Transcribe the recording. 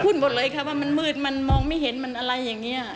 หมดเลยค่ะว่ามันมืดมันมองไม่เห็นมันอะไรอย่างนี้